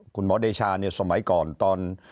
คุณหมอเดชาเนี่ยสมัยก่อนตอน